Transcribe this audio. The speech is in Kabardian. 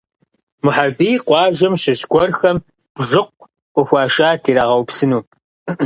Мухьэрбий къуажэм щыщ гуэрхэм бжыкъу къыхуашат ирагъэупсыну.